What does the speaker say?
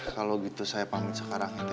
kalau gitu saya pamit sekarang teteh